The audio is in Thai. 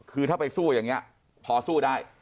คือถ้าไปสู้อย่างนี้พอสู้ได้